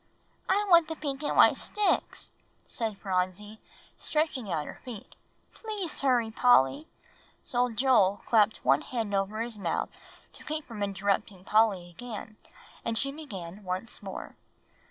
"I want the pink and white sticks," said Phronsie, stretching out her feet. "Please hurry, Polly." So Joel clapped one hand over his mouth to keep from interrupting Polly again, and she began once more.